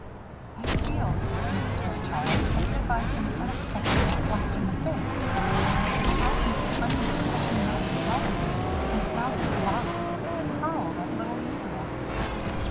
"I feel," said Mrs. Fairchild, "as if I'd been unexpectedly slapped in the face. I wrote Mrs. Huntington such a nice letter. And now this box hurled at little you."